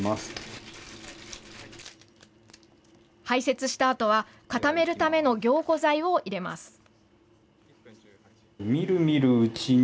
排せつしたあとは固めるための凝固剤を入れます。